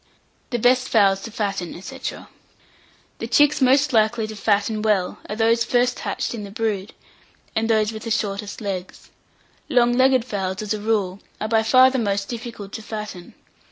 THE BEST FOWLS TO FATTEN, &c. The chicks most likely to fatten well are those first hatched in the brood, and those with the shortest legs. Long legged fowls, as a rule, are by far the most difficult to fatten.